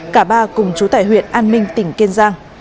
cả ba cùng chú tải huyện an minh tỉnh kiên giang